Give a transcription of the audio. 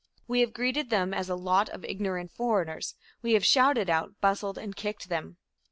We have greeted them as "a lot of ignorant foreigners," we have shouted at, bustled and kicked them.